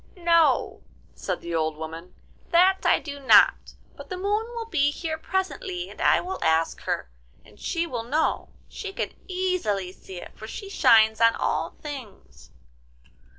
'No,' said the old woman, 'that I do not, but the Moon will be here presently, and I will ask her, and she will know. She can easily see it, for she shines on all things.